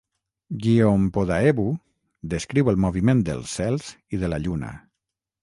"Gyeongpodaebu" descriu el moviment dels cels i de la lluna.